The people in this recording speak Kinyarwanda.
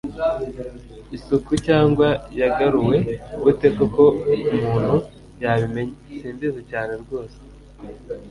Isuku cyangwa yagaruwe gute koko Umuntu yabimenya: Simbizi cyane rwose